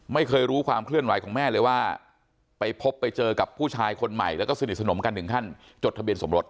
ไม่เคยรู้ความเคลื่อนไหวของแม่เลยว่าไปพบไปเจอกับผู้ชายคนใหม่แล้วก็สนิทสนมกันถึงขั้นจดทะเบียนสมรส